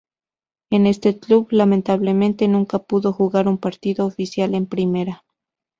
En este club, lamentablemente, nunca pudo jugar un partido oficial en primera.